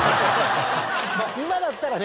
今だったらね